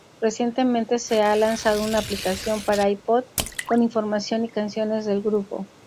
Recientemente se ha lanzado una aplicación para iPod con información y canciones del grupo.